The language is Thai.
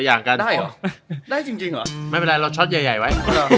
ได้หรอได้จริงหรอไม่เป็นไรเราช็อตใหญ่ไว้